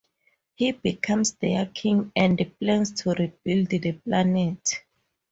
He becomes their king and plans to rebuild the planet.